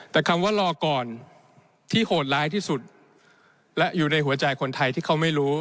แต่คำว่ารอก่อนที่โหดร้ายที่สุดและอยู่ในหัวใจคนไทยที่เขาไม่รู้